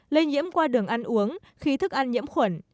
lây nhiễm qua đường ăn uống khi thức ăn nhiễm khuẩn